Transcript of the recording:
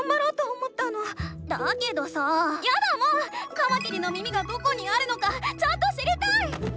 カマキリの耳がどこにあるのかちゃんと知りたい！